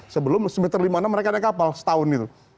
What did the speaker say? sebelum sempat lima enam mereka naik kapal setahun itu